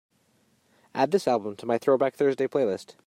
add this album to my Throwback Thursday playlist